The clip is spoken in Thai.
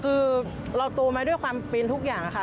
คือเราโตมาด้วยความเป็นทุกอย่างค่ะ